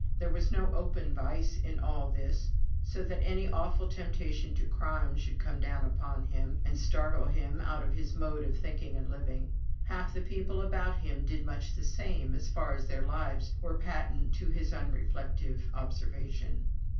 There was no open vice in all this, so that any awful temptation to crime should come down upon him, and startle him out of his mode of thinking and living; half the people about him did much the same, as far as their lives were patent to his unreflecting observation.